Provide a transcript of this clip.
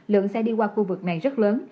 lượng xe đi qua khu vực này rất lớn